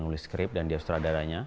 nulis skrip dan dia sutradaranya